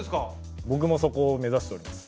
ぼくもそこを目指しております。